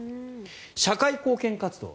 社会貢献活動。